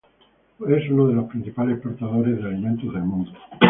Es uno de los principales exportadores de alimentos del mundo.